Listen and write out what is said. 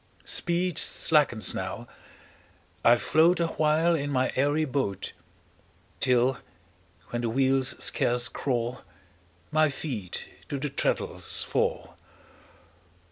Speed slackens now, I float Awhile in my airy boat; Till, when the wheels scarce crawl, My feet to the treadles fall.